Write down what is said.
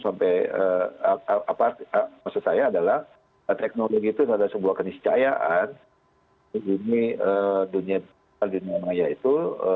maksud saya adalah teknologi itu adalah sebuah keniscayaan di dunia digital dunia maya itu